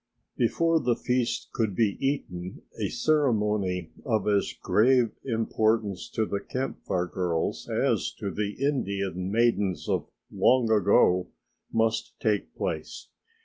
But before the feast could be eaten a ceremony of as grave importance to the Camp Fire girls as to the Indian maidens of long ago must take place.